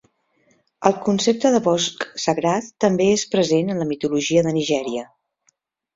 El concepte de bosc sagrat també és present en la mitologia de Nigèria.